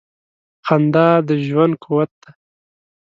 • خندا د ژوند قوت دی.